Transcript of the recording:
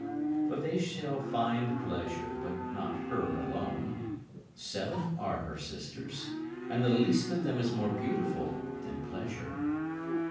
For they shall find pleasure, but not her alone; Seven are her sisters, and the least of them is more beautiful than pleasure.